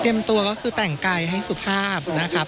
ตัวก็คือแต่งกายให้สุภาพนะครับ